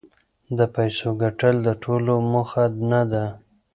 د پیسو ګټل د ټولو موخه نه ده.